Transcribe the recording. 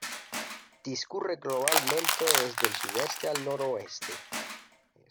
Discurre globalmente desde el sudeste al noroeste.